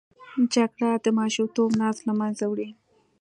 جګړه د ماشومتوب ناز له منځه وړي